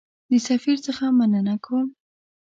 د سفیر څخه مننه کوم.